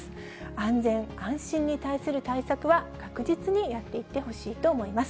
安全安心に対する対策は確実にやっていってほしいと思います。